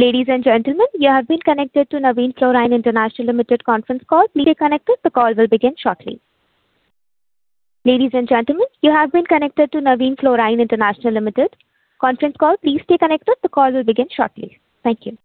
Ladies and gentlemen, you have been connected to Navin Fluorine International Limited conference call. Please stay connected. The call will begin shortly. Ladies and gentlemen, you have been connected to Navin Fluorine International Limited conference call. Please stay connected. The call will begin shortly. Thank you.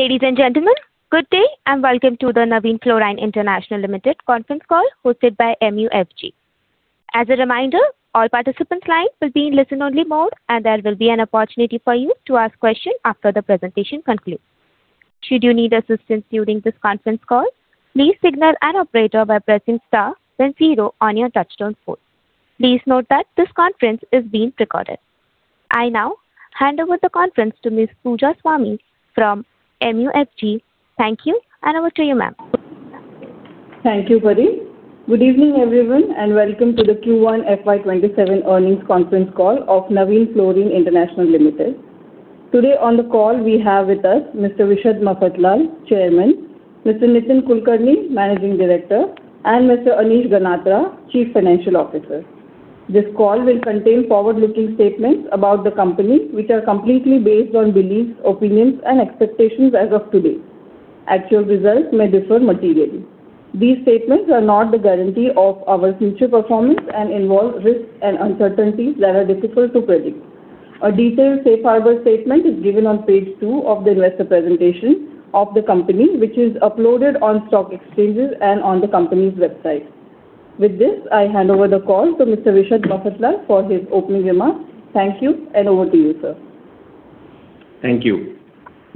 Ladies and gentlemen, good day and welcome to the Navin Fluorine International Limited conference call hosted by MUFG. As a reminder, all participants' lines will be in listen only mode, and there will be an opportunity for you to ask questions after the presentation concludes. Should you need assistance during this conference call, please signal an operator by pressing star then zero on your touchtone phone. Please note that this conference is being recorded. I now hand over the conference to Ms. Pooja Swami from MUFG. Thank you, and over to you, ma'am. Thank you, Pari. Good evening, everyone, and welcome to the Q1 FY 2027 earnings conference call of Navin Fluorine International Limited. Today on the call we have with us Mr. Vishad Mafatlal, Chairman, Mr. Nitin Kulkarni, Managing Director, and Mr. Anish Ganatra, Chief Financial Officer. This call will contain forward-looking statements about the company, which are completely based on beliefs, opinions, and expectations as of today. Actual results may differ materially. These statements are not the guarantee of our future performance and involve risks and uncertainties that are difficult to predict. A detailed safe harbor statement is given on page two of the investor presentation of the company, which is uploaded on stock exchanges and on the company's website. With this, I hand over the call to Mr. Vishad Mafatlal for his opening remarks. Thank you, and over to you, sir. Thank you.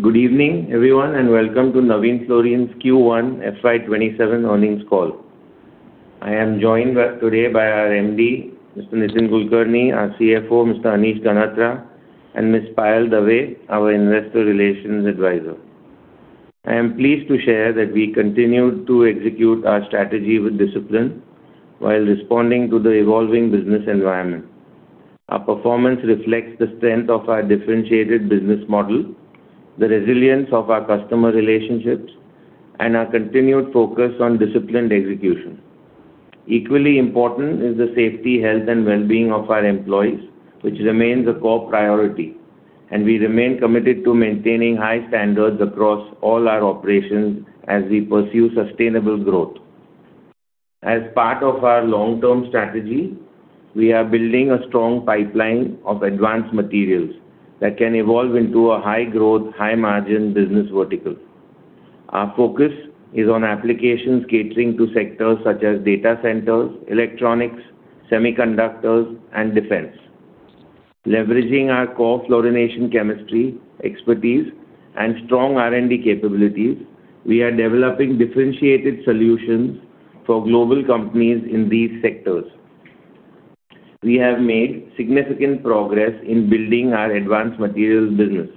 Good evening, everyone, and welcome to Navin Fluorine's Q1 FY 2027 earnings call. I am joined today by our MD, Mr. Nitin Kulkarni, our CFO, Mr. Anish Ganatra, and Ms. Payal Dave, our investor relations advisor. I am pleased to share that we continued to execute our strategy with discipline while responding to the evolving business environment. Our performance reflects the strength of our differentiated business model, the resilience of our customer relationships, and our continued focus on disciplined execution. Equally important is the safety, health, and well-being of our employees, which remains a core priority, and we remain committed to maintaining high standards across all our operations as we pursue sustainable growth. As part of our long-term strategy, we are building a strong pipeline of advanced materials that can evolve into a high-growth, high-margin business vertical. Our focus is on applications catering to sectors such as data centers, electronics, semiconductors, and Defense. Leveraging our core fluorination chemistry expertise and strong R&D capabilities, we are developing differentiated solutions for global companies in these sectors. We have made significant progress in building our advanced materials business.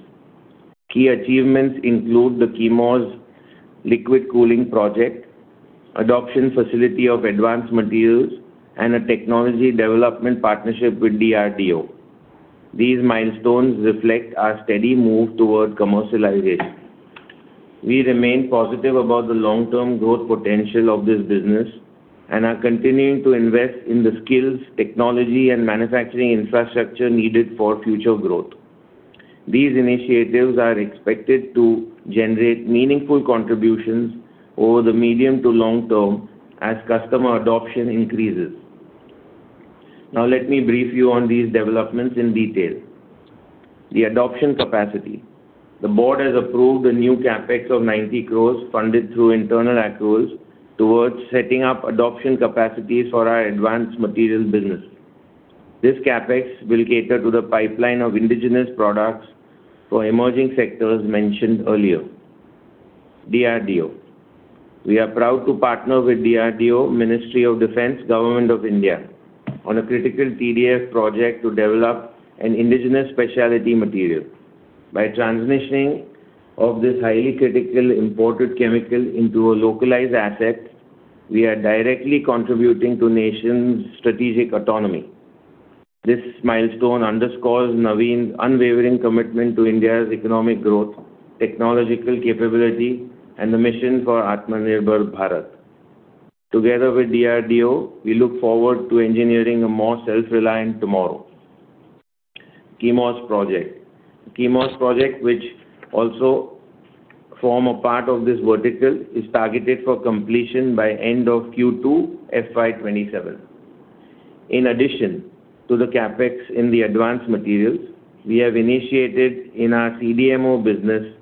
Key achievements include the Chemours liquid cooling project, adoption facility of advanced materials, and a technology development partnership with DRDO. These milestones reflect our steady move toward commercialization. We remain positive about the long-term growth potential of this business and are continuing to invest in the skills, technology, and manufacturing infrastructure needed for future growth. These initiatives are expected to generate meaningful contributions over the medium to long term as customer adoption increases. Now let me brief you on these developments in detail. The adoption capacity. The board has approved a new CapEx of 90 crores, funded through internal accruals, towards setting up adoption capacities for our advanced materials business. This CapEx will cater to the pipeline of indigenous products for emerging sectors mentioned earlier. DRDO. We are proud to partner with DRDO, Ministry of Defence, Government of India, on a critical PDF project to develop an indigenous specialty material. By transitioning of this highly critical imported chemical into a localized asset, we are directly contributing to nation's strategic autonomy. This milestone underscores Navin's unwavering commitment to India's economic growth, technological capability, and the mission for Atmanirbhar Bharat. Together with DRDO, we look forward to engineering a more self-reliant tomorrow. Chemours project, which also form a part of this vertical, is targeted for completion by end of Q2 FY 2027. In addition to the CapEx in the advanced materials, we have initiated in our CDMO business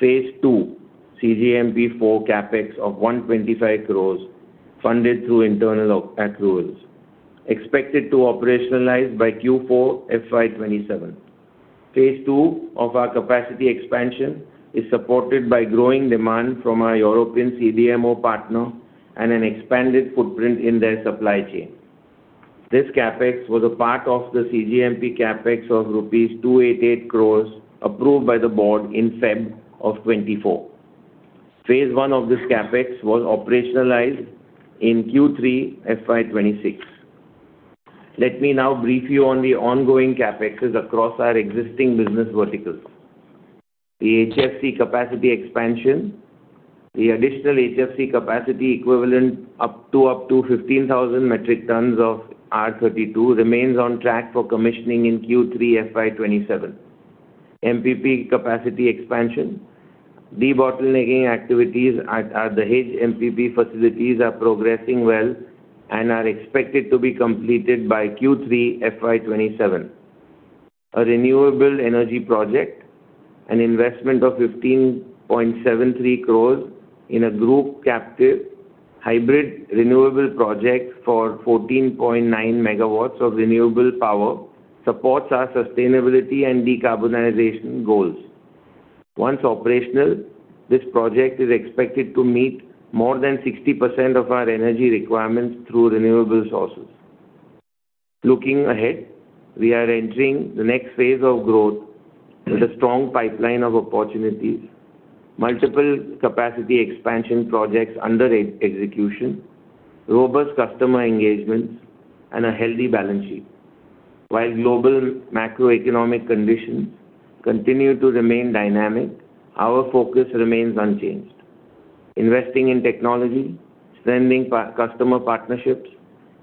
phase two cGMP-4 CapEx of 125 crores funded through internal accruals, expected to operationalize by Q4 FY 2027. Phase two of our capacity expansion is supported by growing demand from our European CDMO partner and an expanded footprint in their supply chain. This CapEx was a part of the cGMP CapEx of rupees 288 crores approved by the board in February of 2024. Phase one of this CapEx was operationalized in Q3 FY 2026. Let me now brief you on the ongoing CapExes across our existing business verticals. The HFC capacity expansion. The additional HFC capacity equivalent up to 15,000 metric tons of R32 remains on track for commissioning in Q3 FY 2027. MPP capacity expansion. Debottlenecking activities at the Dahej MPP facilities are progressing well and are expected to be completed by Q3 FY 2027. A renewable energy project. An investment of 15.73 crores in a group captive hybrid renewable project for 14.9 MW of renewable power supports our sustainability and decarbonization goals. Once operational, this project is expected to meet more than 60% of our energy requirements through renewable sources. Looking ahead, we are entering the next phase of growth with a strong pipeline of opportunities, multiple capacity expansion projects under execution, robust customer engagements, and a healthy balance sheet. While global macroeconomic conditions continue to remain dynamic, our focus remains unchanged, investing in technology, strengthening customer partnerships,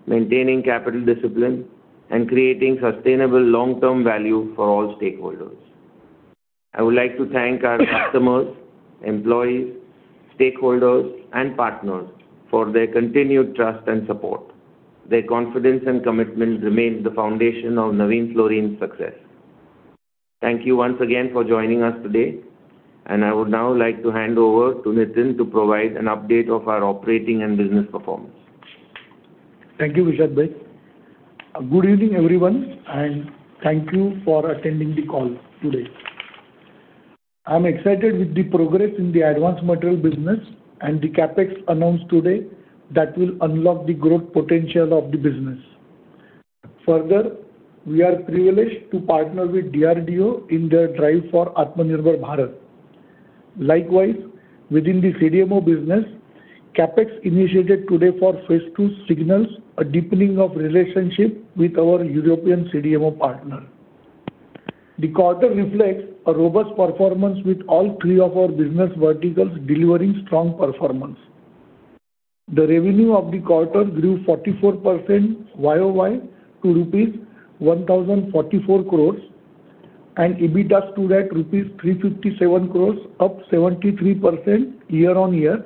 maintaining capital discipline, and creating sustainable long-term value for all stakeholders. I would like to thank our customers, employees, stakeholders, and partners for their continued trust and support. Their confidence and commitment remains the foundation of Navin Fluorine's success. Thank you once again for joining us today, and I would now like to hand over to Nitin to provide an update of our operating and business performance. Thank you, Vishad. Good evening, everyone. Thank you for attending the call today. I'm excited with the progress in the Advanced Material Business and the CapEx announced today that will unlock the growth potential of the business. Further, we are privileged to partner with DRDO in their drive for Atmanirbhar Bharat. Likewise, within the CDMO Business, CapEx initiated today for phase two signals a deepening of relationship with our European CDMO partner. The quarter reflects a robust performance with all three of our business verticals delivering strong performance. The revenue of the quarter grew 44% year-on-year to rupees 1,044 crores, and EBITDA stood at rupees 357 crores, up 73% year-on-year,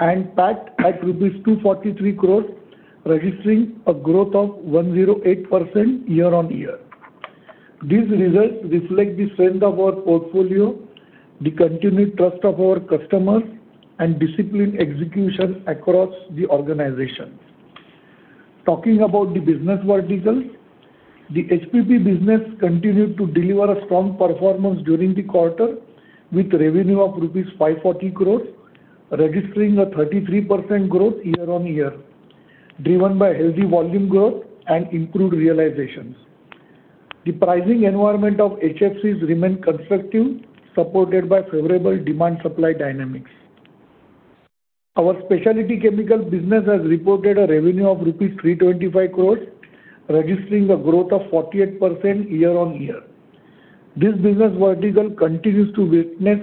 and PAT at rupees 243 crores, registering a growth of 108% year-on-year. These results reflect the strength of our portfolio. The continued trust of our customers and disciplined execution across the organization. Talking about the business verticals, the HPP Business continued to deliver a strong performance during the quarter, with revenue of rupees 540 crores, registering a 33% growth year-on-year, driven by healthy volume growth and improved realizations. The pricing environment of HFCs remained constructive, supported by favorable demand-supply dynamics. Our specialty chemical business has reported a revenue of rupees 325 crores, registering a growth of 48% year-on-year. This business vertical continues to witness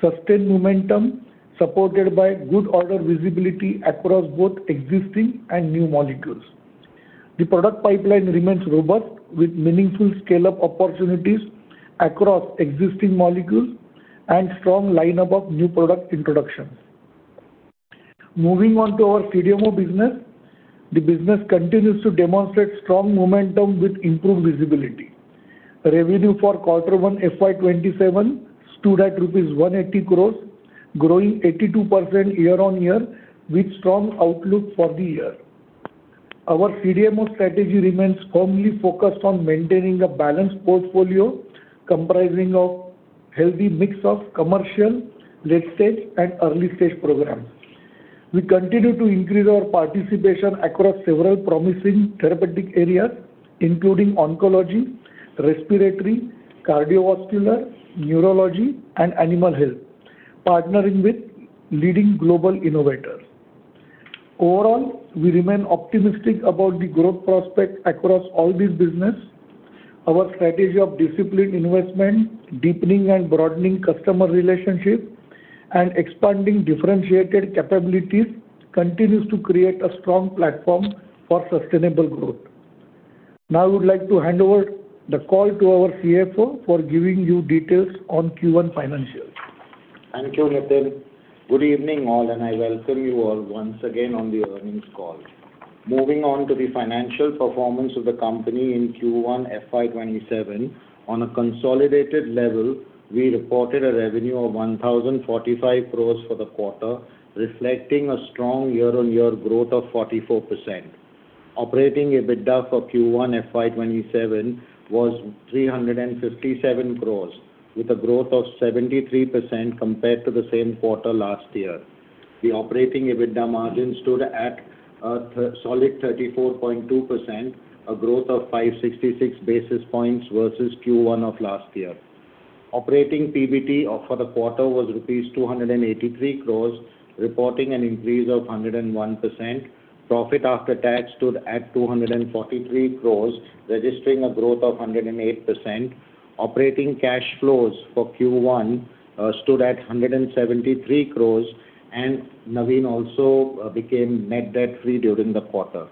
sustained momentum supported by good order visibility across both existing and new molecules. The product pipeline remains robust with meaningful scale-up opportunities across existing molecules and a strong lineup of new product introductions. Moving on to our CDMO Business. The business continues to demonstrate strong momentum with improved visibility. Revenue for quarter one FY 2027 stood at INR 180 crores, growing 82% year-on-year with strong outlook for the year. Our CDMO strategy remains firmly focused on maintaining a balanced portfolio comprising of healthy mix of commercial, late-stage, and early-stage programs. We continue to increase our participation across several promising therapeutic areas, including oncology, respiratory, cardiovascular, neurology, and animal health, partnering with leading global innovators. Overall, we remain optimistic about the growth prospect across all these business. Our strategy of disciplined investment, deepening and broadening customer relationship, and expanding differentiated capabilities continues to create a strong platform for sustainable growth. Now, I would like to hand over the call to our CFO for giving you details on Q1 financials. Thank you, Nitin. Good evening, all. I welcome you all once again on the earnings call. Moving on to the financial performance of the company in Q1 FY 2027. On a consolidated level, we reported a revenue of 1,045 crores for the quarter, reflecting a strong year-on-year growth of 44%. Operating EBITDA for Q1 FY 2027 was 357 crores, with a growth of 73% compared to the same quarter last year. The operating EBITDA margin stood at a solid 34.2%, a growth of 566 basis points versus Q1 of last year. Operating PBT for the quarter was rupees 283 crores, reporting an increase of 101%. Profit after tax stood at 243 crores, registering a growth of 108%. Operating cash flows for Q1 stood at 173 crores. Navin also became net debt-free during the quarter.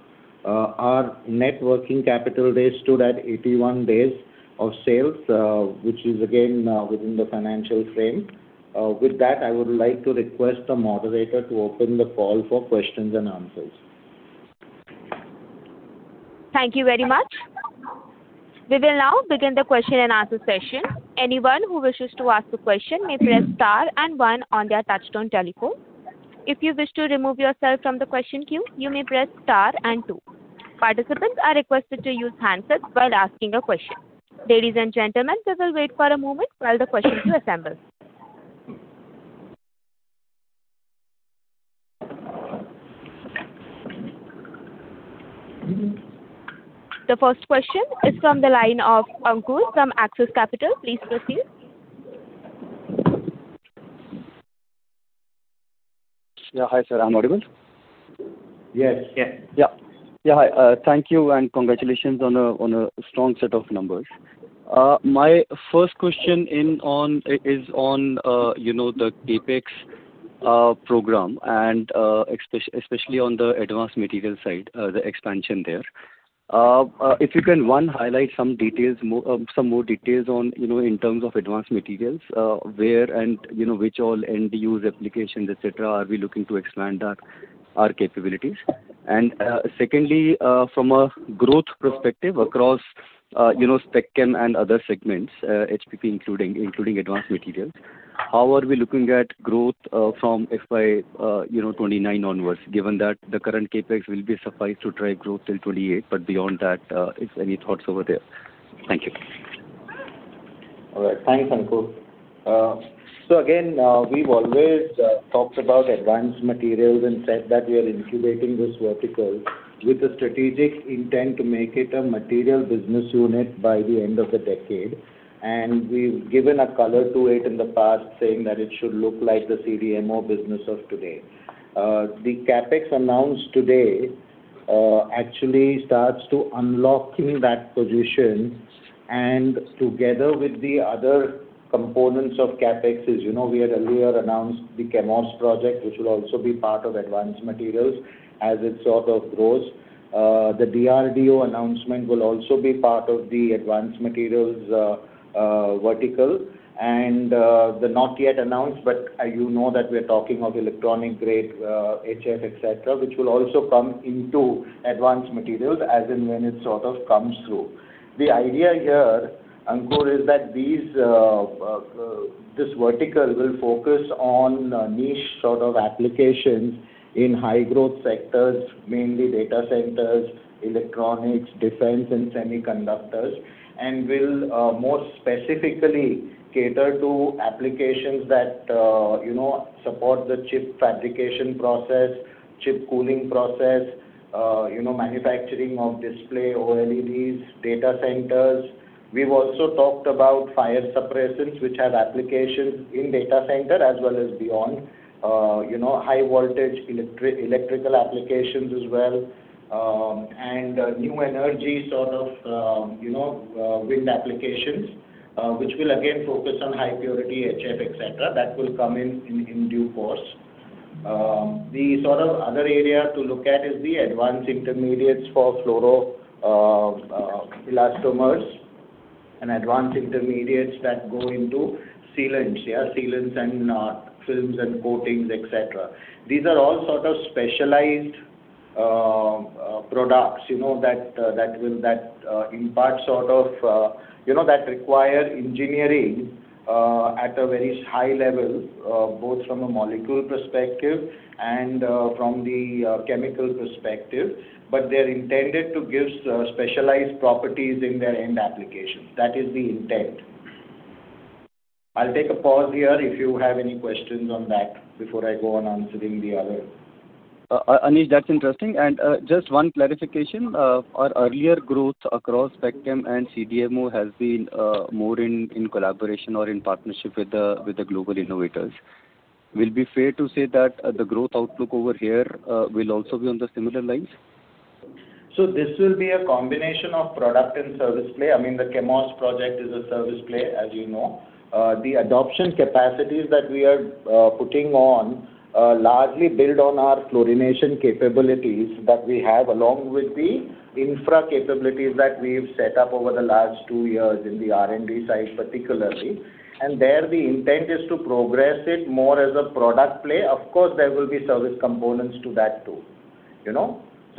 Our net working capital days stood at 81 days of sales, which is again within the financial frame. With that, I would like to request the moderator to open the call for questions and answers. Thank you very much. We will now begin the question and answer session. Anyone who wishes to ask a question may press star and one on their touchtone telephone. If you wish to remove yourself from the question queue, you may press star and two. Participants are requested to use handsets while asking a question. Ladies and gentlemen, we will wait for a moment while the questions assemble. The first question is from the line of Ankur from Axis Capital. Please proceed. Yeah. Hi, sir. I'm audible? Yes. Yeah. Hi. Thank you, and congratulations on a strong set of numbers. My first question is on the CapEx program and especially on the advanced material side, the expansion there. If you can, one, highlight some more details in terms of advanced materials, where and which all end use applications, et cetera, are we looking to expand our capabilities? Secondly, from a growth perspective across spec chem and other segments, HPP including advanced materials, how are we looking at growth from FY 2029 onwards, given that the current CapEx will be suffice to drive growth till 2028, but beyond that, if any thoughts over there. Thank you. All right. Thanks, Ankur. Again, we've always talked about advanced materials and said that we are incubating this vertical with a strategic intent to make it a material business unit by the end of the decade. We've given a color to it in the past saying that it should look like the CDMO business of today. The CapEx announced today actually starts to unlocking that position. Together with the other components of CapEx, as you know, we had earlier announced the Chemours project, which will also be part of advanced materials as it sort of grows. The DRDO announcement will also be part of the advanced materials vertical, and the not yet announced, but you know that we're talking of electronic-grade HF, et cetera, which will also come into advanced materials as and when it sort of comes through. The idea here, Ankur, is that this vertical will focus on niche sort of applications in high growth sectors, mainly data centers, electronics, defense, and semiconductors. Will more specifically cater to applications that support the chip fabrication process, chip cooling process, manufacturing of display OLEDs, data centers. We've also talked about fire suppressants, which have applications in data center as well as beyond. High voltage electrical applications as well, and new energy sort of wind applications, which will again focus on high purity HF, et cetera. That will come in in due course. The sort of other area to look at is the advanced intermediates for fluoroelastomers and advanced intermediates that go into sealants. Yeah, sealants and films and coatings, et cetera. These are all sort of specialized products that require engineering at a very high level, both from a molecule perspective and from the chemical perspective. They're intended to give specialized properties in their end applications. That is the intent. I'll take a pause here if you have any questions on that before I go on answering the other. Anish, that's interesting. Just one clarification. Our earlier growth across spec chem and CDMO has been more in collaboration or in partnership with the global innovators. Will it be fair to say that the growth outlook over here will also be on the similar lines? This will be a combination of product and service play. I mean, the Chemours project is a service play, as you know. The adoption capacities that we are putting on largely build on our fluorination capabilities that we have, along with the infra capabilities that we've set up over the last two years in the R&D side particularly. There, the intent is to progress it more as a product play. Of course, there will be service components to that, too.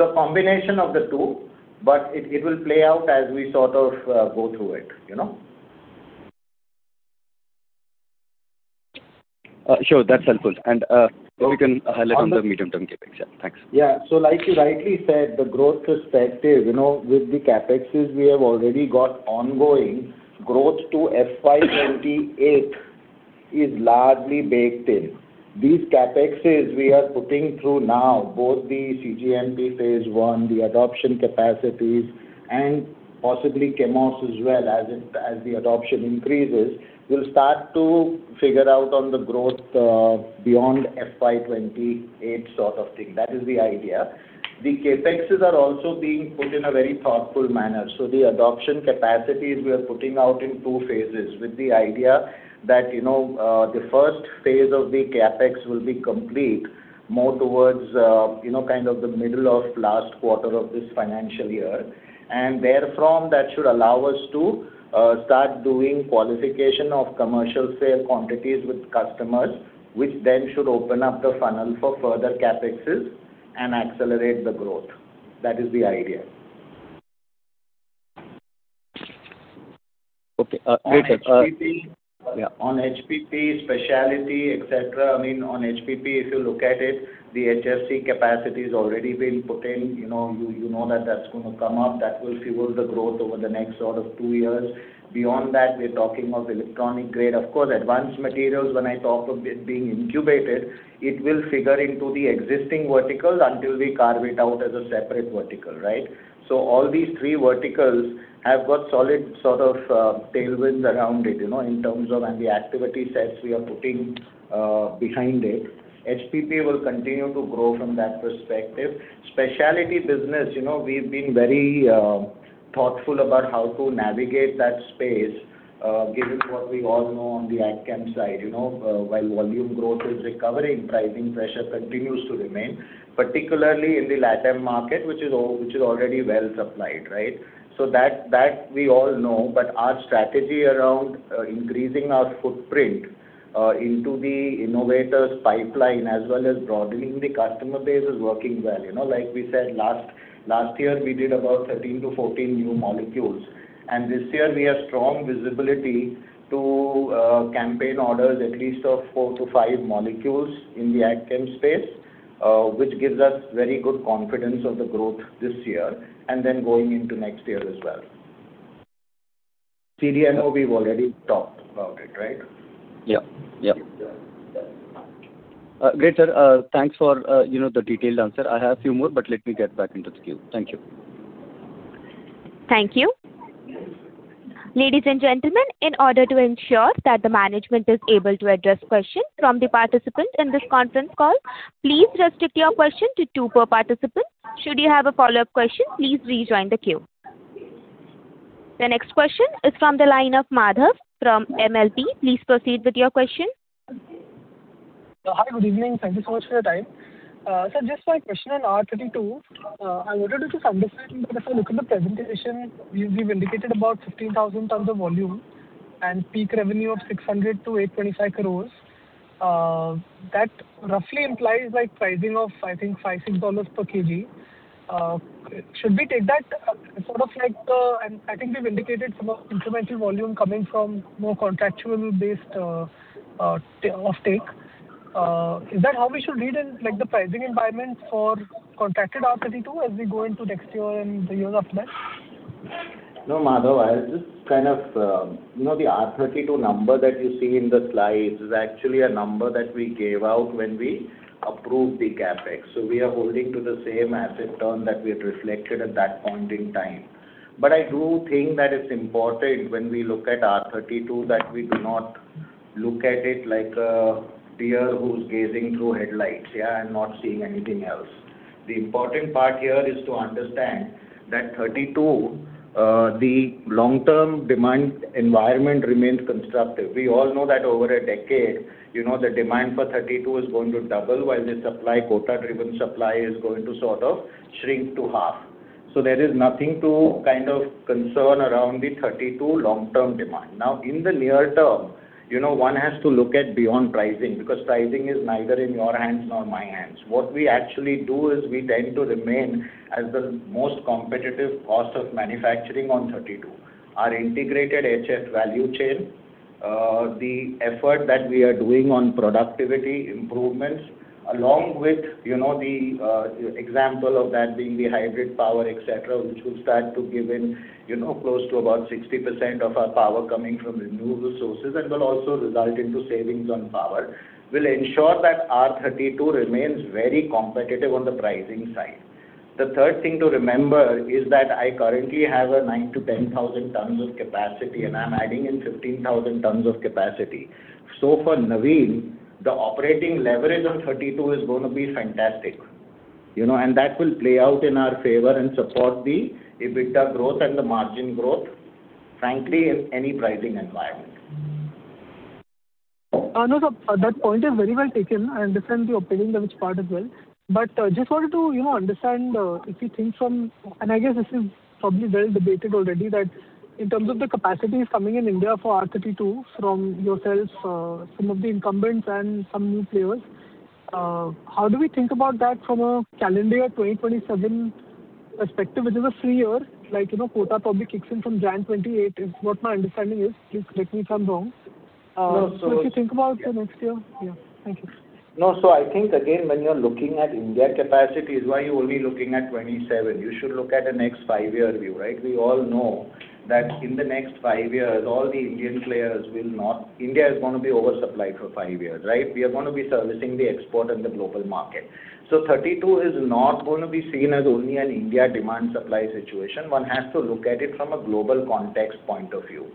Combination of the two, but it will play out as we sort of go through it. Sure. That's helpful. We can highlight on the medium-term CapEx. Thanks. Like you rightly said, the growth perspective with the CapExes we have already got ongoing, growth to FY 2028 is largely baked in. These CapExes we are putting through now, both the cGMP phase one, the adoption capacities, and possibly Chemours as well as the adoption increases, will start to figure out on the growth beyond FY 2028 sort of thing. That is the idea. The CapExes are also being put in a very thoughtful manner. The adoption capacities we are putting out in two phases with the idea that the first phase of the CapEx will be complete more towards the middle of last quarter of this financial year. Therefrom, that should allow us to start doing qualification of commercial sale quantities with customers, which then should open up the funnel for further CapExes and accelerate the growth. That is the idea. Okay. Great, sir. On HPP. Yeah. On HPP, specialty, et cetera, I mean, on HPP, if you look at it, the HFC capacity has already been put in. You know that that's going to come up. That will fuel the growth over the next sort of two years. Beyond that, we're talking of electronic grade. Of course, advanced materials, when I talk of it being incubated, it will figure into the existing verticals until we carve it out as a separate vertical. Right? All these three verticals have got solid sort of tailwinds around it in terms of, and the activity sets we are putting behind it. HPP will continue to grow from that perspective. Specialty business, we've been very thoughtful about how to navigate that space given what we all know on the AgChem side. While volume growth is recovering, pricing pressure continues to remain, particularly in the LATAM market, which is already well supplied. Right? That we all know, our strategy around increasing our footprint into the innovators pipeline as well as broadening the customer base is working well. Like we said, last year we did about 13-14 new molecules, and this year we have strong visibility to campaign orders at least of four to five molecules in the AgChem space, which gives us very good confidence of the growth this year, and then going into next year as well. CDMO, we've already talked about it, right? Yeah. Yeah. Great, sir. Thanks for the detailed answer. I have few more, but let me get back into the queue. Thank you. Thank you. Ladies and gentlemen, in order to ensure that the management is able to address questions from the participants in this conference call, please restrict your question to two per participant. Should you have a follow-up question, please rejoin the queue. The next question is from the line of Madhav from MLP. Please proceed with your question. Hi, good evening. Thank you so much for your time. Sir, just my question on R32. I wanted to just understand, because if I look at the presentation, you've indicated about 15,000 tons of volume and peak revenue of 600 crore-825 crore. That roughly implies pricing of, I think $5 per kg. Should we take that sort of like the? I think we've indicated some of incremental volume coming from more contractual based offtake. Is that how we should read in the pricing environment for contracted R32 as we go into next year and the years after that? No, Madhav, I'll just kind of the R32 number that you see in the slides is actually a number that we gave out when we approved the CapEx. We are holding to the same asset turn that we had reflected at that point in time. I do think that it's important when we look at R32, that we do not look at it like a deer who's gazing through headlights. Yeah. Not seeing anything else. The important part here is to understand that 32, the long-term demand environment remains constructive. We all know that over a decade, the demand for 32 is going to double while the supply, quota-driven supply is going to sort of shrink to half. There is nothing to kind of concern around the 32 long-term demand. In the near term, one has to look at beyond pricing, because pricing is neither in your hands nor my hands. What we actually do is we tend to remain as the most competitive cost of manufacturing on 32. Our integrated HF value chain, the effort that we are doing on productivity improvements, along with the example of that being the hybrid power, et cetera, which will start to give in close to about 60% of our power coming from renewable sources and will also result into savings on power, will ensure that R32 remains very competitive on the pricing side. The third thing to remember is that I currently have a 9,000-10,000 tons of capacity, and I'm adding in 15,000 tons of capacity. For Navin, the operating leverage on 32 is going to be fantastic. That will play out in our favor and support the EBITDA growth and the margin growth, frankly, in any pricing environment. No, sir. That point is very well taken, and definitely obtaining that which part as well. Just wanted to understand, if you think from, and I guess this is probably well debated already, that in terms of the capacities coming in India for R32 from yourself, some of the incumbents and some new players, how do we think about that from a calendar year 2027 perspective, which is a three-year, like quota probably kicks in from January 2028, is what my understanding is. Please correct me if I'm wrong. No. If you think about the next year. Yeah. Thank you. No. I think, again, when you're looking at India capacities, why are you only looking at 2027? You should look at a next five-year view, right? We all know that in the next five years, India is going to be oversupplied for five years, right? We are going to be servicing the export and the global market. R32 is not going to be seen as only an India demand-supply situation. One has to look at it from a global context point of view.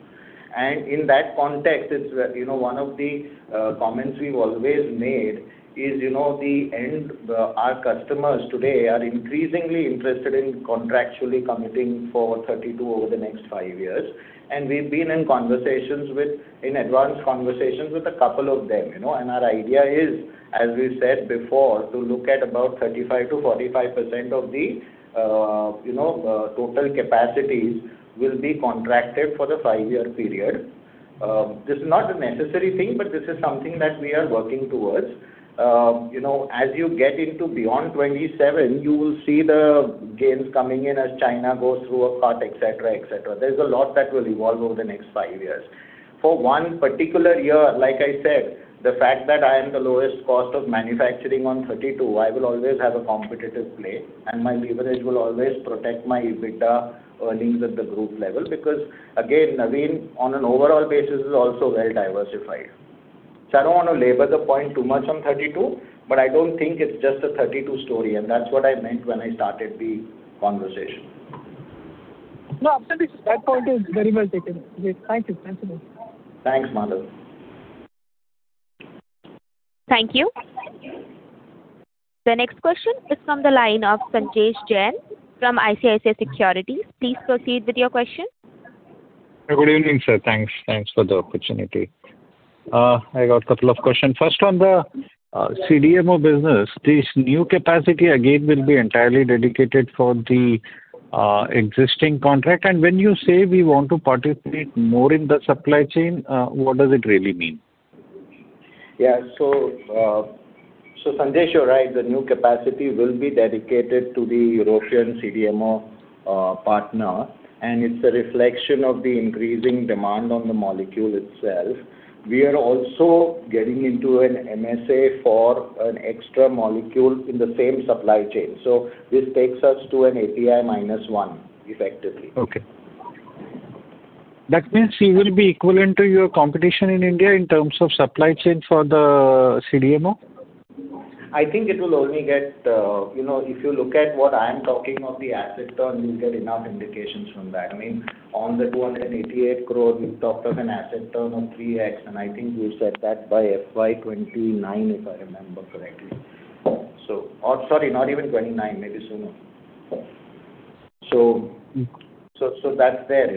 In that context, one of the comments we've always made is, our customers today are increasingly interested in contractually committing for R32 over the next five years. We've been in conversations with, in advance conversations with a couple of them. Our idea is, as we said before, to look at about 35%-45% of the total capacities will be contracted for the five-year period. This is not a necessary thing, but this is something that we are working towards. As you get into beyond 2027, you will see the gains coming in as China goes through a cut, et cetera. There's a lot that will evolve over the next five years. For one particular year, like I said, the fact that I am the lowest cost of manufacturing on R32, I will always have a competitive play, and my leverage will always protect my EBITDA earnings at the group level. Because, again, Navin, on an overall basis, is also well diversified. I don't want to labor the point too much on R32, I don't think it's just a R32 story, and that's what I meant when I started the conversation. No, absolutely. That point is very well taken. Yes. Thank you. Thanks a lot. Thanks, Madhav. Thank you. The next question is from the line of Sanjesh Jain from ICICI Securities. Please proceed with your question. Good evening, sir. Thanks for the opportunity. I got a couple of questions. First, on the CDMO business, this new capacity, again, will be entirely dedicated for the existing contract? When you say we want to participate more in the supply chain, what does it really mean? Yeah. Sanjesh, you're right. The new capacity will be dedicated to the European CDMO partner, and it's a reflection of the increasing demand on the molecule itself. We are also getting into an MSA for an extra molecule in the same supply chain. This takes us to an API minus one, effectively. Okay. That means you will be equivalent to your competition in India in terms of supply chain for the CDMO? If you look at what I'm talking of the asset turn, you'll get enough indications from that. On the 288 crore, we talked of an asset turn on 3x, and I think we said that by FY 2029, if I remember correctly. Sorry, not even 2029, maybe sooner. That's there.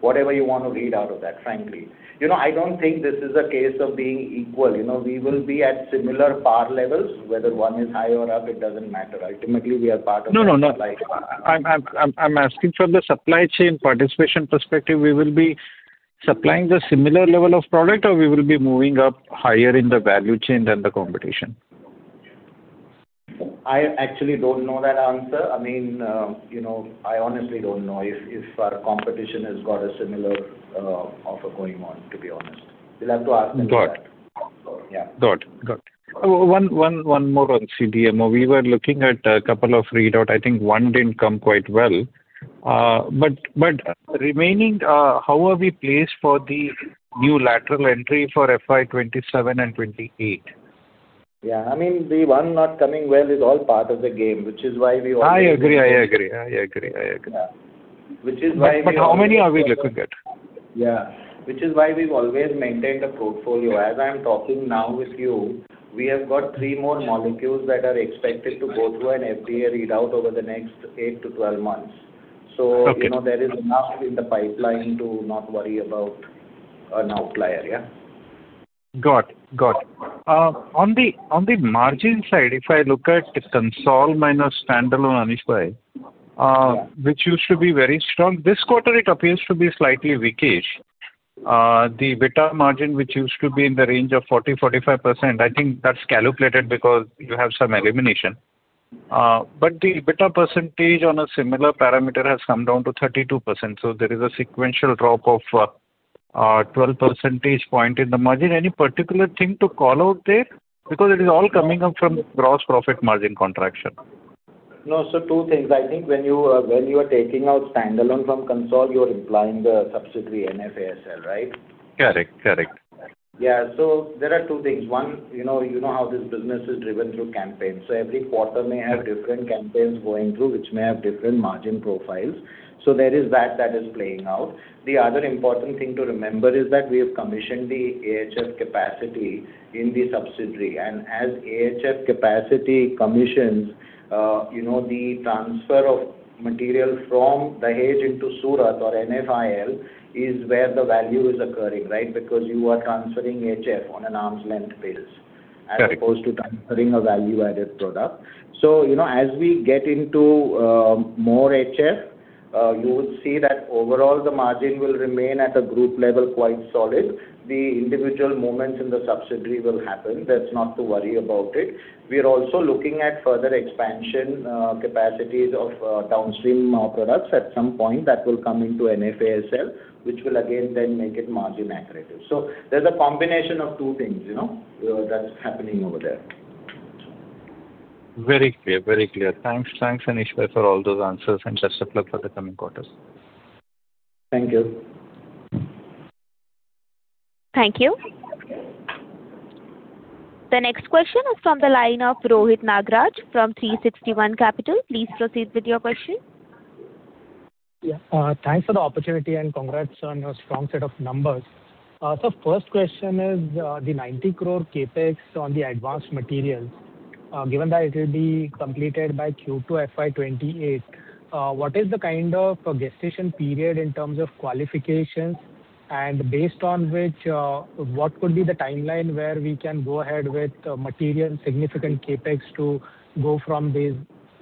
Whatever you want to read out of that, frankly. I don't think this is a case of being equal. We will be at similar par levels, whether one is high or up, it doesn't matter. Ultimately, we are part of that supply. No. I'm asking from the supply chain participation perspective, we will be supplying the similar level of product, or we will be moving up higher in the value chain than the competition? I actually don't know that answer. I honestly don't know if our competition has got a similar offer going on, to be honest. We'll have to ask them that. Got it. Yeah. Got it. One more on CDMO. We were looking at a couple of readout. I think one didn't come quite well. Remaining, how are we placed for the new lateral entry for FY 2027 and 2028? Yeah, the one not coming well is all part of the game, which is why we always. I agree. Yeah. How many are we looking at? Yeah. Which is why we've always maintained a portfolio. As I'm talking now with you, we have got three more molecules that are expected to go through an FDA readout over the next 8-12 months. Okay There is enough in the pipeline to not worry about an outlier, yeah. Got it. On the margin side, if I look at the consol minus standalone, Anish Pai, which used to be very strong. This quarter it appears to be slightly weak-ish. The EBITDA margin, which used to be in the range of 40%-45%, I think that's calculated because you have some elimination. The EBITDA percentage on a similar parameter has come down to 32%. There is a sequential drop of 12 percentage point in the margin. Any particular thing to call out there? Because it is all coming up from gross profit margin contraction. No. Two things. I think when you are taking out standalone from consol, you're implying the subsidiary NFASL, right? Correct. Yeah. There are two things. One, you know how this business is driven through campaigns. Every quarter may have different campaigns going through, which may have different margin profiles. There is that is playing out. The other important thing to remember is that we have commissioned the AHF capacity in the subsidiary. And as AHF capacity commissions, the transfer of material from Dahej into Surat or NFIL is where the value is occurring, right? Because you are transferring AHF on an arm's length basis Correct. As opposed to transferring a value-added product. As we get into more AHF, you would see that overall the margin will remain at a group level quite solid. The individual movements in the subsidiary will happen. That's not to worry about it. We're also looking at further expansion capacities of downstream products. At some point that will come into NFASL, which will again then make it margin accretive. There's a combination of two things, that's happening over there. Very clear. Thanks, Anish, for all those answers and best of luck for the coming quarters. Thank you. Thank you. The next question is from the line of Rohit Nagraj from 360 ONE Capital. Please proceed with your question. Thanks for the opportunity and congrats on your strong set of numbers. Sir, first question is, the 90 crore CapEx on the advanced materials. Given that it will be completed by Q2 FY 2028, what is the kind of gestation period in terms of qualifications? Based on which, what could be the timeline where we can go ahead with material significant CapEx to go from these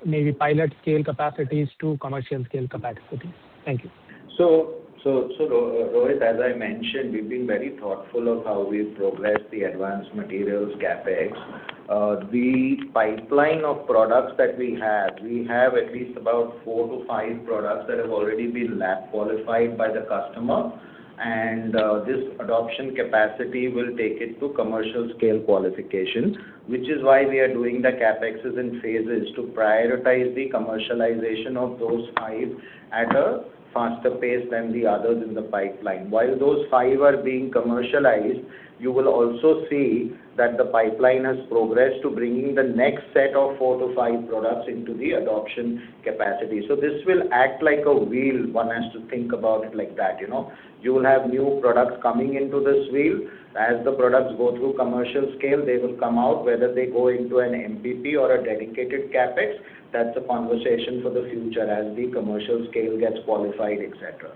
maybe pilot scale capacities to commercial scale capacities? Thank you. Rohit, as I mentioned, we've been very thoughtful of how we progress the advanced materials CapEx. The pipeline of products that we have, we have at least about four to five products that have already been lab qualified by the customer. This adoption capacity will take it to commercial scale qualification, which is why we are doing the CapEx in phases to prioritize the commercialization of those five at a faster pace than the others in the pipeline. While those five are being commercialized, you will also see that the pipeline has progressed to bringing the next set of four to five products into the adoption capacity. This will act like a wheel. One has to think about it like that. You will have new products coming into this wheel. As the products go through commercial scale, they will come out. Whether they go into an MPP or a dedicated CapEx, that's a conversation for the future as the commercial scale gets qualified, et cetera.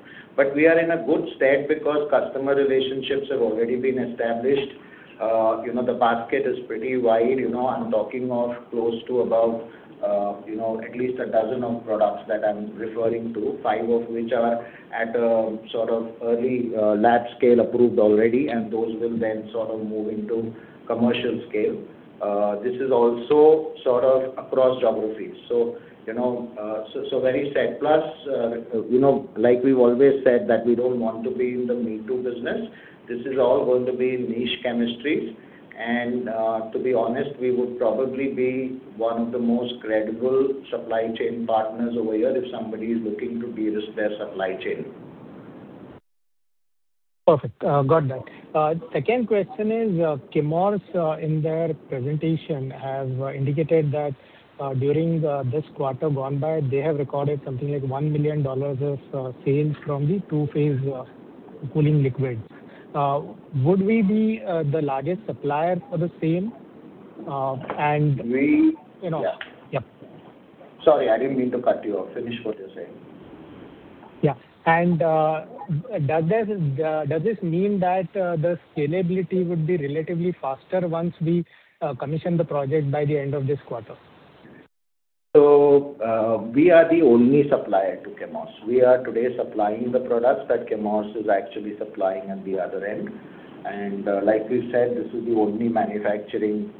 We are in a good state because customer relationships have already been established. The basket is pretty wide. I'm talking of close to about at least a dozen of products that I'm referring to, five of which are at a sort of early lab scale approved already, and those will then sort of move into commercial scale. This is also sort of across geographies. Very solid. Like we've always said that we don't want to be in the me-too business. This is all going to be niche chemistries. To be honest, we would probably be one of the most credible supply chain partners over here if somebody is looking to build their spare supply chain. Perfect. Got that. Second question is, Chemours in their presentation have indicated that during this quarter gone by they have recorded something like $1 million of sales from the two-phase cooling liquids. Would we be the largest supplier for the same? Yeah. Sorry, I didn't mean to cut you off. Finish what you're saying. Yeah. Does this mean that the scalability would be relatively faster once we commission the project by the end of this quarter? We are the only supplier to Chemours. We are today supplying the products that Chemours is actually supplying at the other end. Like we said, this is the only manufacturing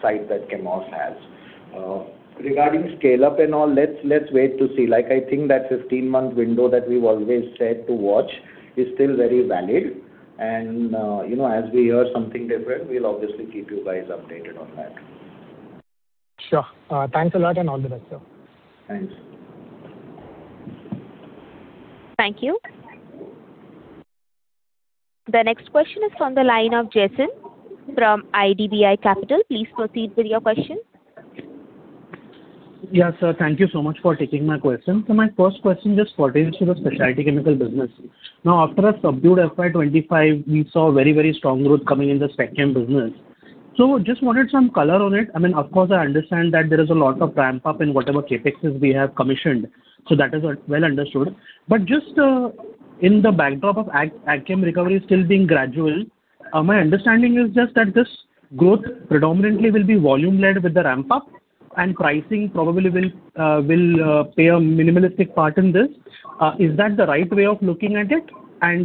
site that Chemours has. Regarding scale-up and all, let's wait to see. I think that 15-month window that we've always said to watch is still very valid. As we hear something different, we'll obviously keep you guys updated on that. Sure. Thanks a lot and all the best, sir. Thanks. Thank you. The next question is from the line of Jason from IDBI Capital. Please proceed with your question. Yeah, sir. Thank you so much for taking my question. My first question just pertains to the specialty chemical business. After a subdued FY 2025, we saw very strong growth coming in the spec chem business. Just wanted some color on it. Of course, I understand that there is a lot of ramp-up in whatever CapExes we have commissioned. That is well understood. But just in the backdrop of AgChem recovery still being gradual, my understanding is just that this growth predominantly will be volume-led with the ramp-up, and pricing probably will play a minimalistic part in this. Is that the right way of looking at it?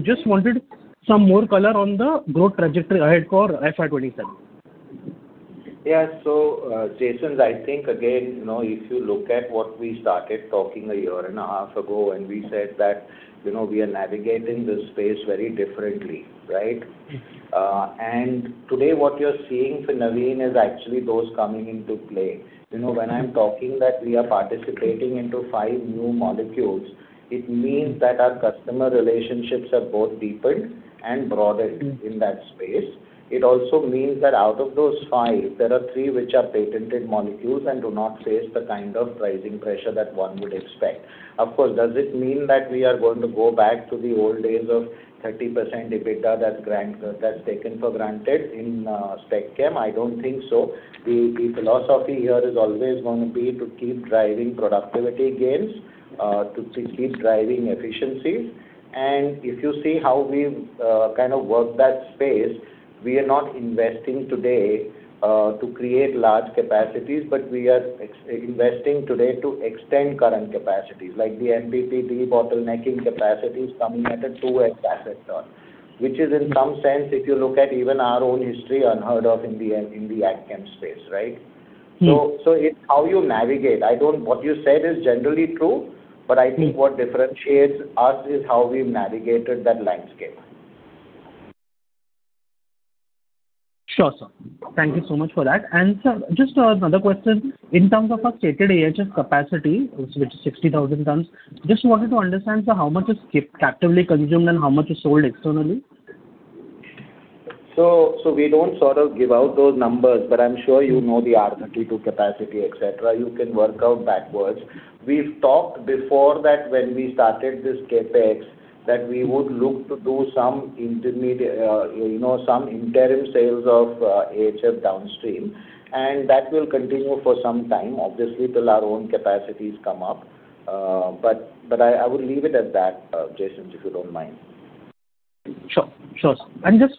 Just wanted some more color on the growth trajectory ahead for FY 2027. Yeah. Jason, I think, again, if you look at what we started talking a year and a half ago when we said that we are navigating this space very differently, right? Today what you're seeing for Navin is actually those coming into play. When I'm talking that we are participating into five new molecules, it means that our customer relationships have both deepened and broadened in that space. It also means that out of those five, there are three which are patented molecules and do not face the kind of pricing pressure that one would expect. Of course, does it mean that we are going to go back to the old days of 30% EBITDA that's taken for granted in spec chem? I don't think so. The philosophy here is always going to be to keep driving productivity gains, to keep driving efficiencies. If you see how we've kind of worked that space, we are not investing today to create large capacities, but we are investing today to extend current capacities, like the MPP bottlenecking capacities coming at a 2x asset ton. Which is in some sense, if you look at even our own history, unheard of in the AgChem space, right? It's how you navigate. What you said is generally true, but I think what differentiates us is how we navigated that landscape. Sure, sir. Thank you so much for that. Sir, just another question, in terms of our stated AHF capacity, which is 60,000 tons, just wanted to understand, sir, how much is captively consumed and how much is sold externally? We don't sort of give out those numbers, but I'm sure you know the R32 capacity, et cetera. You can work out backwards. We've talked before that when we started this CapEx, that we would look to do some interim sales of AHF downstream, and that will continue for some time, obviously, till our own capacities come up. I would leave it at that, Jason, if you don't mind. Sure. Just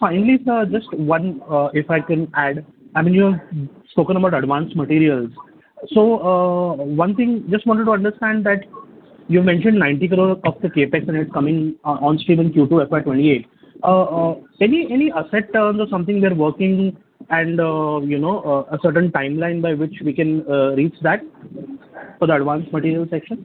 finally, sir, just one, if I can add. You've spoken about advanced materials. One thing, just wanted to understand that you mentioned 90 crore of the CapEx, and it's coming on stream in Q2 FY 2028. Any asset turns or something we are working and a certain timeline by which we can reach that for the advanced material section?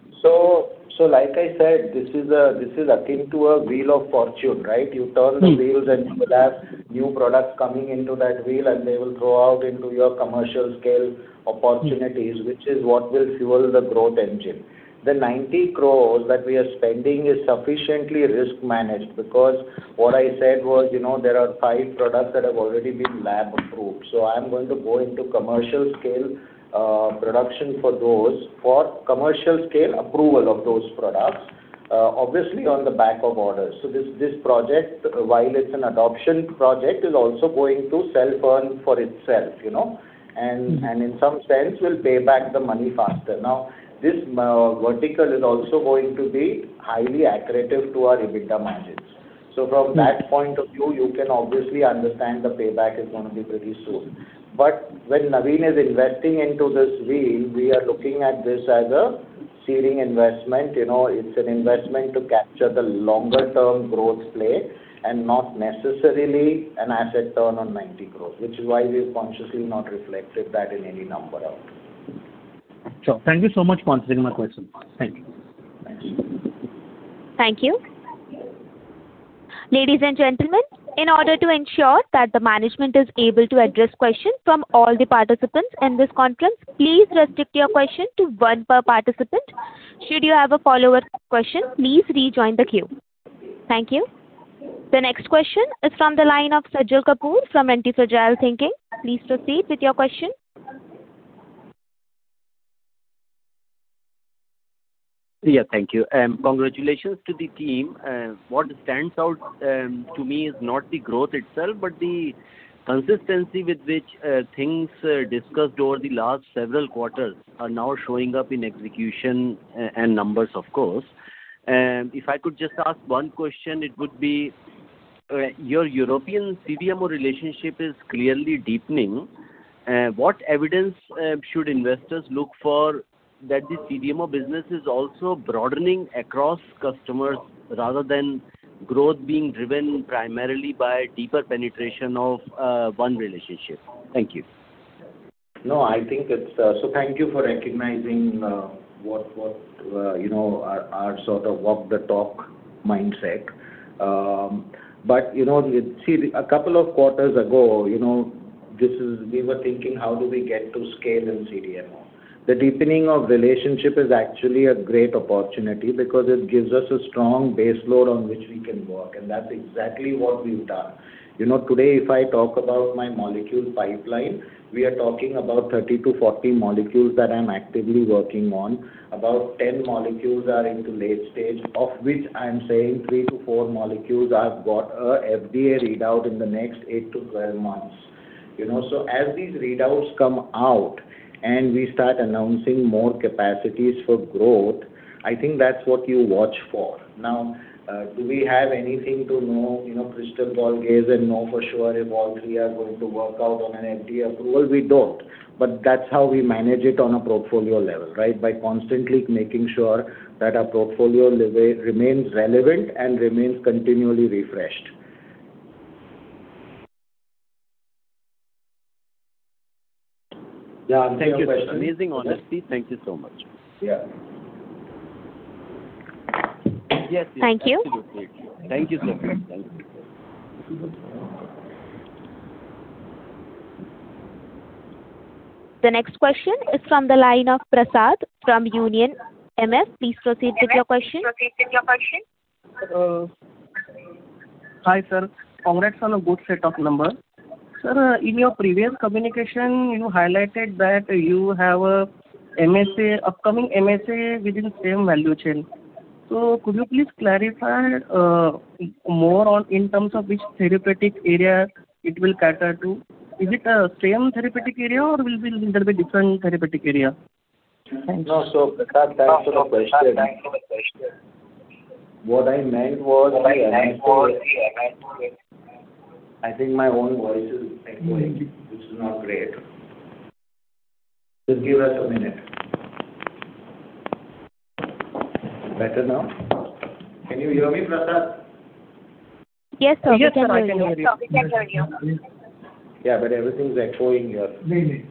Like I said, this is akin to a wheel of fortune, right? You turn the wheels and you will have new products coming into that wheel, and they will flow out into your commercial scale opportunities, which is what will fuel the growth engine. The 90 crores that we are spending is sufficiently risk managed because what I said was, there are five products that have already been lab approved. I am going to go into commercial scale production for those, for commercial scale approval of those products, obviously on the back of orders. This project, while it's an adoption project, is also going to self-earn for itself. in some sense, will pay back the money faster. This vertical is also going to be highly accretive to our EBITDA margins. From that point of view, you can obviously understand the payback is going to be pretty soon. When Navin is investing into this wheel, we are looking at this as a seeding investment. It's an investment to capture the longer-term growth play and not necessarily an asset turn on 90 crores, which is why we've consciously not reflected that in any number out. Sure. Thank you so much for answering my question. Thank you. Thanks. Thank you. Ladies and gentlemen, in order to ensure that the management is able to address questions from all the participants in this conference, please restrict your question to one per participant. Should you have a follow-up question, please rejoin the queue. Thank you. The next question is from the line of Sajal Kapoor from Antifragile Thinking. Please proceed with your question. Yeah, thank you. Congratulations to the team. What stands out to me is not the growth itself, but the consistency with which things discussed over the last several quarters are now showing up in execution and numbers, of course. If I could just ask one question, it would be Your European CDMO relationship is clearly deepening. What evidence should investors look for that this CDMO business is also broadening across customers rather than growth being driven primarily by deeper penetration of one relationship? Thank you. No, thank you for recognizing our sort of walk the talk mindset. A couple of quarters ago, we were thinking, how do we get to scale in CDMO? The deepening of relationship is actually a great opportunity because it gives us a strong base load on which we can work. That's exactly what we've done. Today, if I talk about my molecule pipeline, we are talking about 30-40 molecules that I'm actively working on. About 10 molecules are into late stage, of which I'm saying three to four molecules I've got a FDA readout in the next 8-12 months. As these readouts come out and we start announcing more capacities for growth, I think that's what you watch for. Do we have anything to know, crystal ball gaze and know for sure if all three are going to work out on an FDA approval? We don't. That's how we manage it on a portfolio level, right? By constantly making sure that our portfolio remains relevant and remains continually refreshed. Yeah. Any other question? Thank you, sir. Amazing honesty. Thank you so much. Yeah. Thank you. Yes. Absolutely. Thank you so much. The next question is from the line of Prasad from Union MF. Please proceed with your question. Hi, sir. Congrats on a good set of numbers. Sir, in your previous communication, you highlighted that you have a upcoming MSA within same value chain. Could you please clarify more in terms of which therapeutic area it will cater to? Is it a same therapeutic area or will there be different therapeutic area? Thanks. No. Prasad, thanks for the question. What I meant was the MSA I think my own voice is echoing, which is not great. Just give us a minute. Better now? Can you hear me, Prasad? Yes, sir. We can hear you. Yes, sir. I can hear you. Yeah, everything's echoing here. Maybe.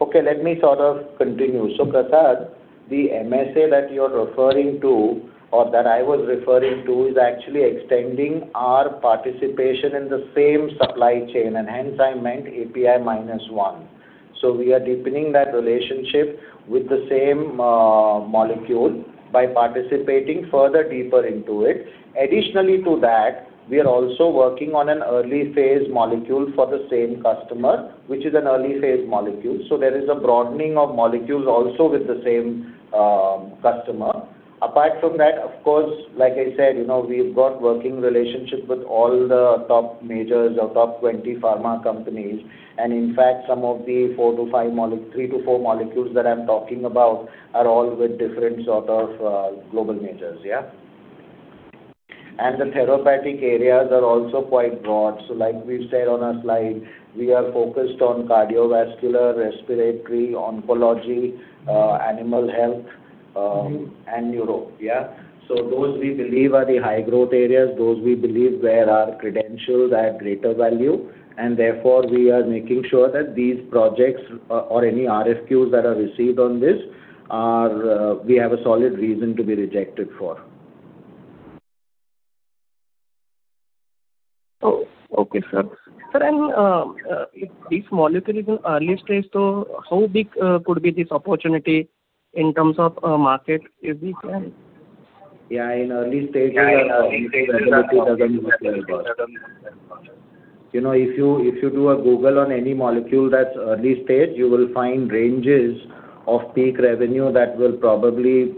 Okay, let me sort of continue. Prasad, the MSA that you're referring to or that I was referring to is actually extending our participation in the same supply chain, and hence I meant API minus one. We are deepening that relationship with the same molecule by participating further deeper into it. Additionally to that, we are also working on an early phase molecule for the same customer, which is an early phase molecule. There is a broadening of molecules also with the same customer. Apart from that, of course, like I said, we've got working relationships with all the top majors or top 20 pharma companies. In fact, some of the three to four molecules that I'm talking about are all with different sort of global majors. Yeah. The therapeutic areas are also quite broad. Like we said on our slide, we are focused on cardiovascular, respiratory, oncology, animal health and neuro. Yeah. Those we believe are the high growth areas, those we believe where our credentials add greater value, and therefore we are making sure that these projects or any RFQs that are received on this, we have a solid reason to be rejected for. Okay, sir. Sir, if this molecule is in early stage, how big could be this opportunity in terms of market, if we can Yeah, in early stage. Yeah. The revenue doesn't matter much. If you do a Google on any molecule that's early stage, you will find ranges of peak revenue that will probably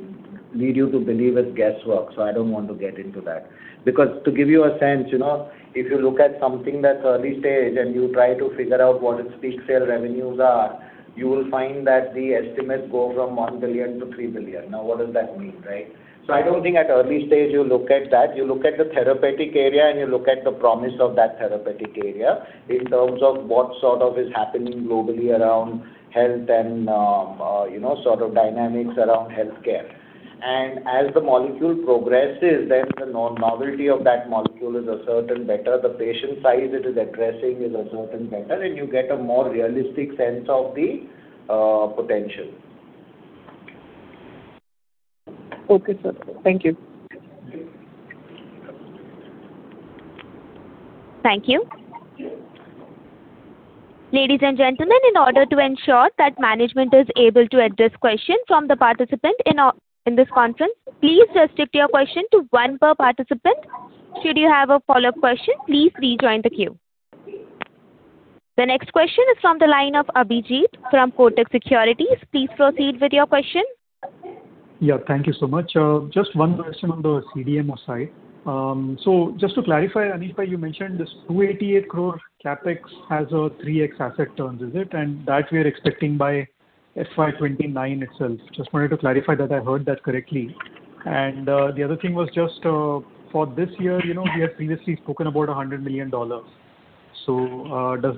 lead you to believe it's guesswork. I don't want to get into that. To give you a sense, if you look at something that's early stage and you try to figure out what its peak sale revenues are, you will find that the estimates go from $1 billion-$3 billion. What does that mean, right? I don't think at early stage you look at that. You look at the therapeutic area, and you look at the promise of that therapeutic area in terms of what sort of is happening globally around health and sort of dynamics around healthcare. As the molecule progresses, the novelty of that molecule is a certain vector, the patient size it is addressing is a certain vector, and you get a more realistic sense of the potential. Okay, sir. Thank you. Thank you. Ladies and gentlemen, in order to ensure that management is able to address questions from the participant in this conference, please restrict your question to one per participant. Should you have a follow-up question, please rejoin the queue. The next question is from the line of Abhijit from Kotak Securities. Please proceed with your question. Thank you so much. Just one question on the CDMO side. Just to clarify, Anish, you mentioned this 288 crore CapEx has a 3x asset turns, is it? That we are expecting by FY 2029 itself. Just wanted to clarify that I heard that correctly. The other thing was just for this year, we had previously spoken about $100 million. Does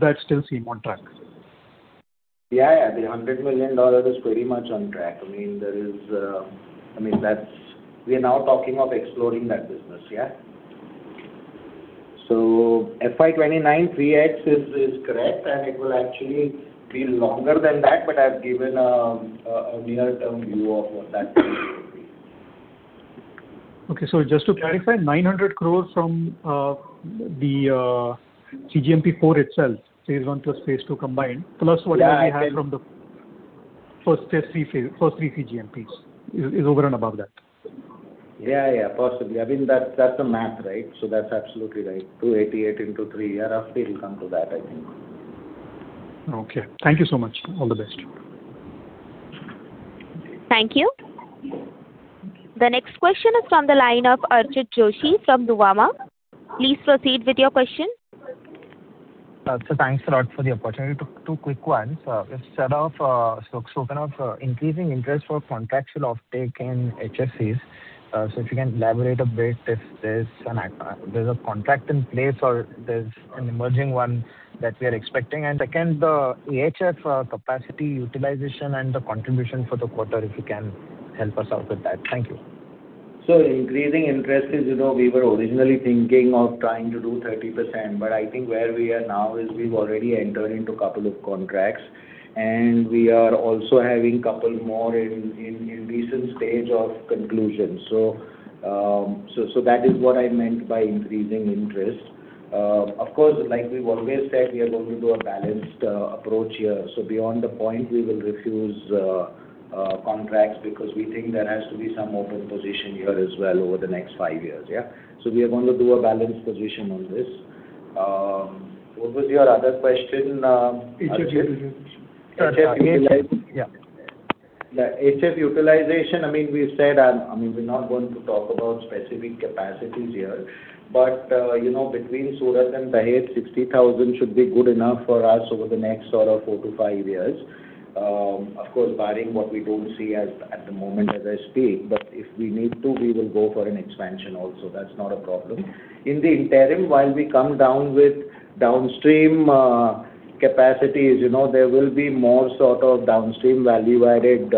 that still seem on track? The $100 million is very much on track. We are now talking of exploring that business. FY 2029 3x is correct, and it will actually be longer than that, but I've given a near-term view of what that will be. Okay. Just to clarify, 900 crore from the cGMP-4 itself, phase one plus phase two combined, plus whatever we had from the first three cGMPs is over and above that. Yeah. Possibly. That's the math. That's absolutely right. 288 into three. Thereafter, we'll come to that, I think. Okay. Thank you so much. All the best. Thank you. The next question is from the line of Archit Joshi from Nuvama. Please proceed with your question. Sir, thanks a lot for the opportunity. Two quick ones. You've spoken of increasing interest for contractual offtake in HFCs. If you can elaborate a bit if there's a contract in place or there's an emerging one that we are expecting. Second, the AHF capacity utilization and the contribution for the quarter, if you can help us out with that. Thank you. Increasing interest is, we were originally thinking of trying to do 30%, but I think where we are now is we've already entered into couple of contracts, and we are also having couple more in recent stage of conclusion. That is what I meant by increasing interest. Of course, like we've always said, we are going to do a balanced approach here. Beyond the point, we will refuse contracts because we think there has to be some open position here as well over the next five years. Yeah. We are going to do a balanced position on this. What was your other question, Archit? HF utilization. HF utilization. Yeah. The HF utilization, we said, and we're not going to talk about specific capacities here, between Surat and Dahej, 60,000 should be good enough for us over the next four to five years. Of course, barring what we don't see at the moment as I speak. If we need to, we will go for an expansion also. That's not a problem. In the interim, while we come down with downstream capacities, there will be more downstream value-added,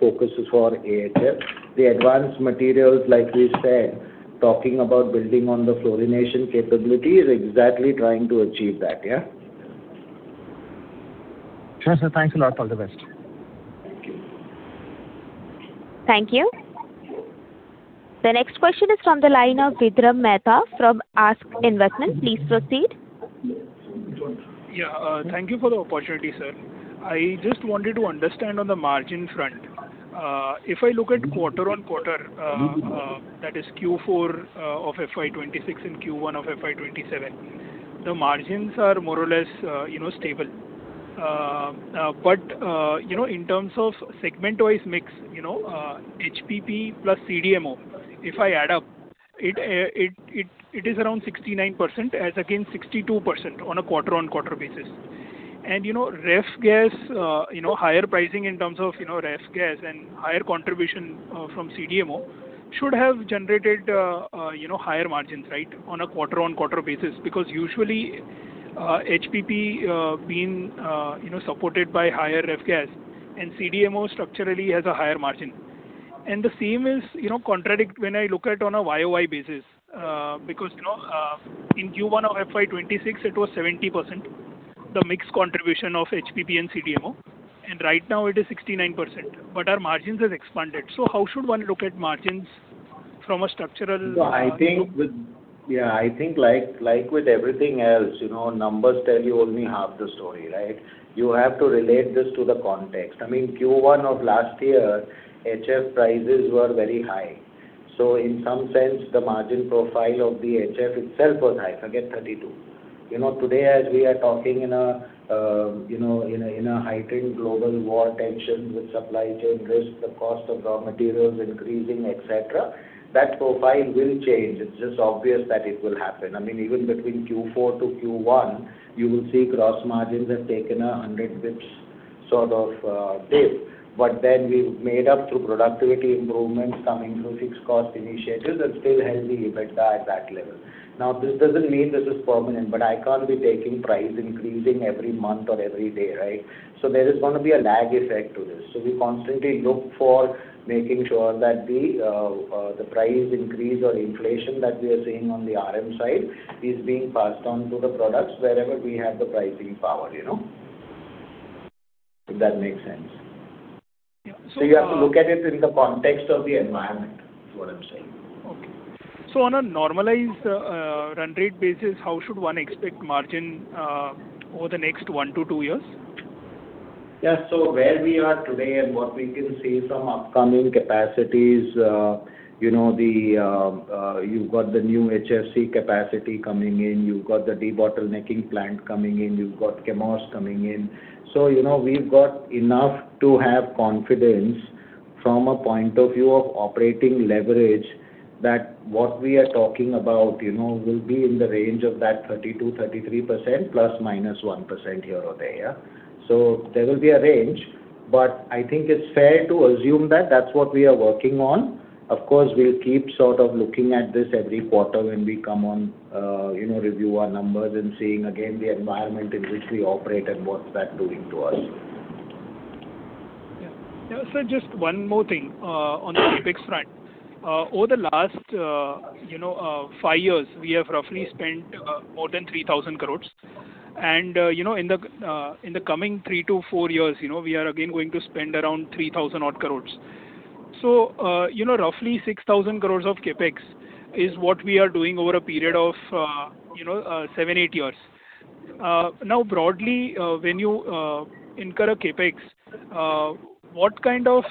focuses for AHF. The advanced materials, like we said, talking about building on the fluorination capability is exactly trying to achieve that. Yeah. Sure, sir. Thanks a lot. All the best. Thank you. Thank you. The next question is from the line of Vidrum Mehta from ASK Investment. Please proceed. Yeah. Thank you for the opportunity, sir. I just wanted to understand on the margin front. If I look at quarter-on-quarter, that is Q4 of FY 2026 and Q1 of FY 2027, the margins are more or less stable. In terms of segment-wise mix, HPP plus CDMO, if I add up, it is around 69% as against 62% on a quarter-on-quarter basis. Ref gas, higher pricing in terms of ref gas and higher contribution from CDMO should have generated higher margins on a quarter-on-quarter basis. Usually, HPP being supported by higher ref gas and CDMO structurally has a higher margin. The same is contradict when I look at on a year-over-year basis. In Q1 of FY 2026, it was 70%, the mix contribution of HPP and CDMO, and right now it is 69%, but our margins have expanded. How should one look at margins from a structural. Yeah, I think like with everything else, numbers tell you only half the story. You have to relate this to the context. Q1 of last year, HF prices were very high. In some sense, the margin profile of the HF itself was high, forget 32. Today, as we are talking in a heightened global war tension with supply chain risk, the cost of raw materials increasing, et cetera, that profile will change. It's just obvious that it will happen. Even between Q4 to Q1, you will see gross margins have taken 100 basis points dip. We've made up through productivity improvements coming through fixed cost initiatives and still healthy EBITDA at that level. This doesn't mean this is permanent, but I can't be taking price increasing every month or every day. There is going to be a lag effect to this. We constantly look for making sure that the price increase or inflation that we are seeing on the RM side is being passed on to the products wherever we have the pricing power. If that makes sense. Yeah. You have to look at it in the context of the environment, is what I'm saying. On a normalized run rate basis, how should one expect margin over the next one to two years? Where we are today and what we can see from upcoming capacities, you've got the new HFC capacity coming in, you've got the debottlenecking plant coming in, you've got Chemours coming in. We've got enough to have confidence From a point of view of operating leverage, what we are talking about will be in the range of that 32%-33%, ±1% here or there. There will be a range, but I think it's fair to assume that that's what we are working on. Of course, we'll keep sort of looking at this every quarter when we come on, review our numbers, and seeing again the environment in which we operate and what's that doing to us. Sir, just one more thing on the CapEx front. Over the last five years, we have roughly spent more than 3,000 crore, and in the coming three to four years, we are again going to spend around 3,000 crore. Roughly 6,000 crore of CapEx is what we are doing over a period of seven, eight years. Now, broadly, when you incur a CapEx, what kind of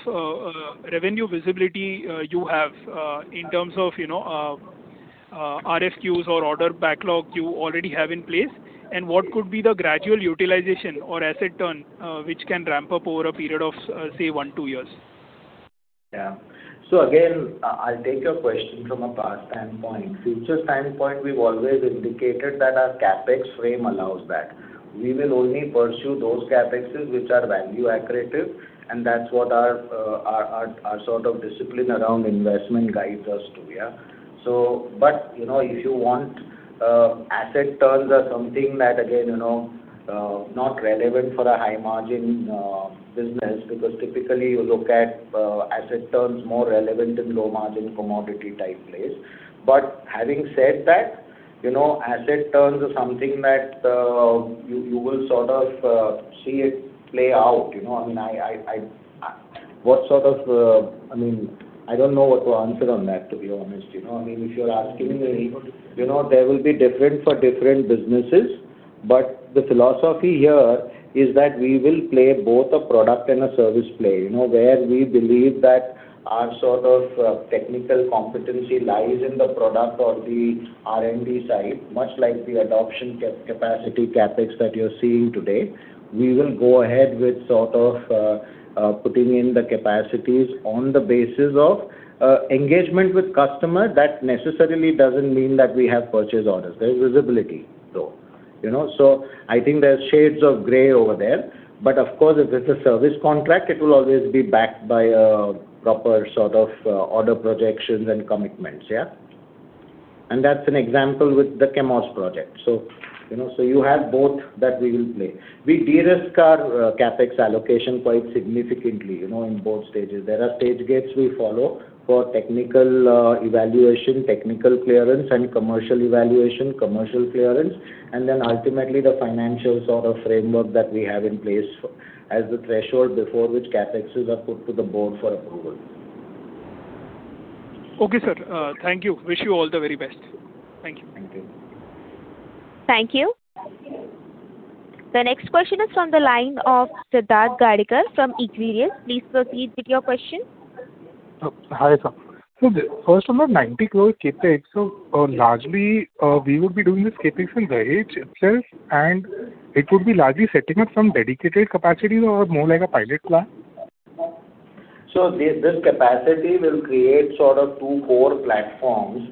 revenue visibility you have, in terms of RFQs or order backlog you already have in place, and what could be the gradual utilization or asset turn, which can ramp up over a period of, say, one, two years? Yeah. So again, I'll take your question from a past standpoint. Future standpoint, we've always indicated that our CapEx frame allows that. We will only pursue those CapExes which are value accretive, and that's what our discipline around investment guides us to. If you want asset turns or something that, again, not relevant for a high-margin business because typically you look at asset turns more relevant in low-margin commodity-type place. Having said that, asset turns is something that you will sort of see it play out. I don't know what to answer on that, to be honest. If you're asking me- There will be different for different businesses. But the philosophy here is that we will play both a product and a service play. Where we believe that our sort of technical competency lies in the product or the R&D side, much like the adoption capacity CapEx that you're seeing today. We will go ahead with putting in the capacities on the basis of engagement with customer. That necessarily doesn't mean that we have purchase orders. There is visibility, though. I think there's shades of gray over there. Of course, if it's a service contract, it will always be backed by a proper order projections and commitments. Yeah? That's an example with the Chemours project. You have both that we will play. We de-risk our CapEx allocation quite significantly in both stages. There are stage gates we follow for technical evaluation, technical clearance, and commercial evaluation, commercial clearance, and then ultimately the financial framework that we have in place as the threshold before which CapExes are put to the board for approval. Okay, sir. Thank you. Wish you all the very best. Thank you. Thank you. Thank you. The next question is from the line of Siddharth Gadekar from Equirus. Please proceed with your question. Hi, sir. First, on the INR 90 crore CapEx, so largely, we would be doing this CapEx in Dahej itself, and it would be largely setting up some dedicated capacities or more like a pilot plant? This capacity will create sort of two core platforms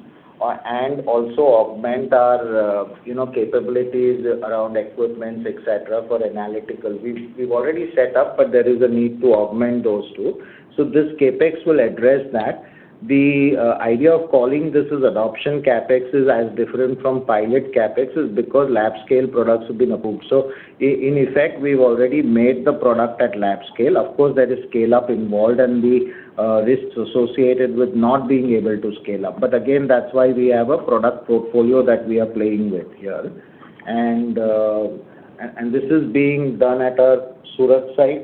and also augment our capabilities around equipments, et cetera, for analytical. We've already set up, but there is a need to augment those two. This CapEx will address that. The idea of calling this as adoption CapEx is as different from pilot CapEx is because lab-scale products have been approved. In effect, we've already made the product at lab scale. Of course, there is scale-up involved and the risks associated with not being able to scale up. Again, that's why we have a product portfolio that we are playing with here. This is being done at our Surat site.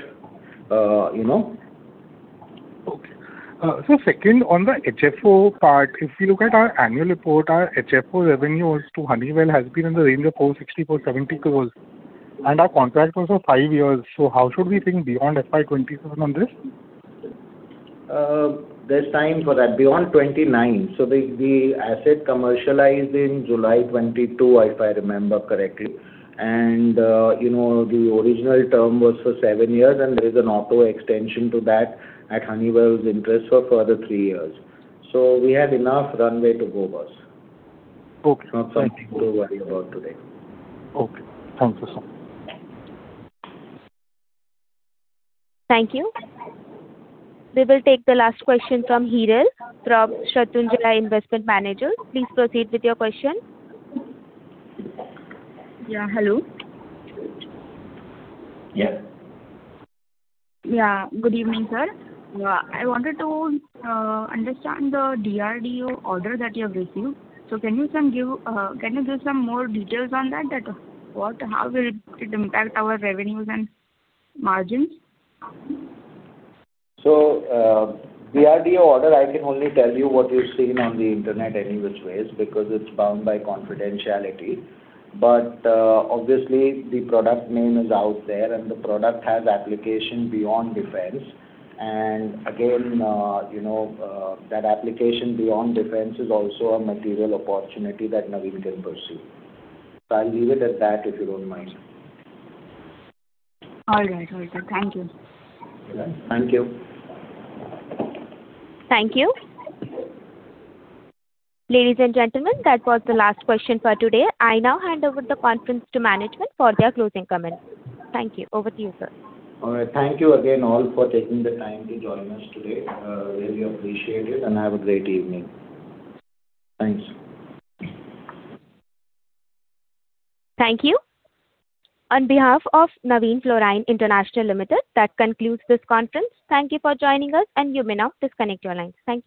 Okay. Second, on the HFO part, if you look at our annual report, our HFO revenue to Honeywell has been in the range of 460 crore, 470 crore, and our contract was for five years. How should we think beyond FY 2027 on this? There is time for that. Beyond 2029. The asset commercialized in July 2022, if I remember correctly. The original term was for seven years, and there is an auto extension to that at Honeywell's interest for further three years. We have enough runway to go first. Okay. It's not something to worry about today. Okay. Thank you, sir. Thank you. We will take the last question from Hiral from Shatrunjaya Investment Managers. Please proceed with your question. Yeah, hello. Yeah. Good evening, sir. I wanted to understand the DRDO order that you have received. Can you give some more details on that? How will it impact our revenues and margins? DRDO order, I can only tell you what you're seeing on the internet anyways ways, because it's bound by confidentiality. Obviously, the product name is out there, and the product has application beyond defense. Again, that application beyond defense is also a material opportunity that Navin can pursue. I'll leave it at that, if you don't mind. All right. Okay. Thank you. Thank you. Thank you. Ladies and gentlemen, that was the last question for today. I now hand over the conference to management for their closing comments. Thank you. Over to you, sir. All right. Thank you again, all, for taking the time to join us today. Really appreciate it, and have a great evening. Thanks. Thank you. On behalf of Navin Fluorine International Limited, that concludes this conference. Thank you for joining us, and you may now disconnect your lines. Thank you.